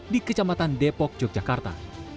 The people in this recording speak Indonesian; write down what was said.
di kecamatan depok yogyakarta